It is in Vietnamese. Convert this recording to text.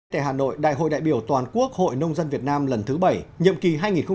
tại hà nội đại hội đại biểu toàn quốc hội nông dân việt nam lần thứ bảy nhậm kỳ hai nghìn một mươi tám hai nghìn hai mươi ba